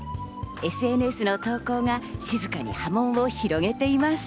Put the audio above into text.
ＳＮＳの投稿が静かに波紋を広げています。